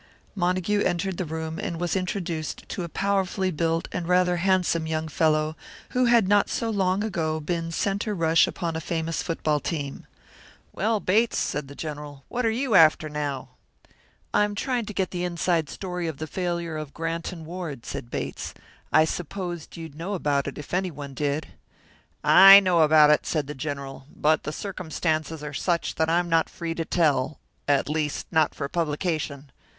Montague entered the room and was introduced to a powerfully built and rather handsome young fellow, who had not so long ago been centre rush upon a famous football team. "Well, Bates," said the General, "what are you after now?" "I'm trying to get the inside story of the failure of Grant and Ward," said Bates. "I supposed you'd know about it, if anyone did." "I know about it," said the General, "but the circumstances are such that I'm not free to tell at least, not for publication.